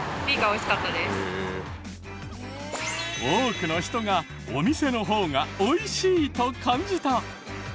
多くの人がお店の方が美味しいと感じた。